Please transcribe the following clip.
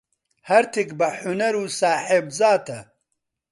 هەرتک بە حونەر و ساحێب زاتە.